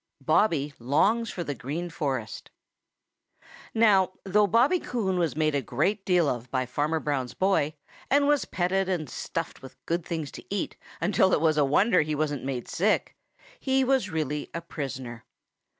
BOBBY LONGS FOR THE GREEN FOREST |NOW though Bobby Coon was made a great deal of by Farmer Brown's boy, and was petted and stuffed with good things to eat until it was a wonder that he wasn't made sick, he was really a prisoner.